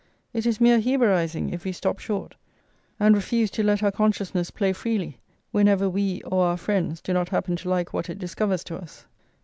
It is mere Hebraising, if we stop short, and refuse to let our consciousness play freely, whenever we or our friends do not happen to like what it discovers to us.